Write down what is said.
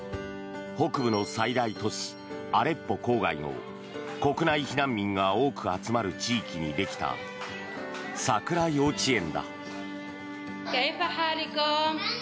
北部の最大都市アレッポ郊外の国内避難民が多く集まる地域にできたＳＡＫＵＲＡ幼稚園だ。